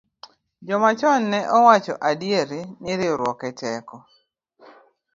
Joma chon ne owacho adieri ni riwruok e teko.